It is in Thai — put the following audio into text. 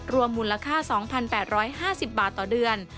มูลค่า๒๘๕๐บาทต่อเดือน